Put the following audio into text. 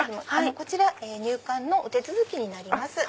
こちら入館のお手続きになります。